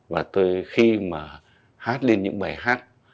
và tôi khi mà hát lên những bài hát